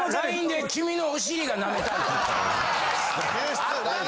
ＬＩＮＥで君のお尻が舐めたい。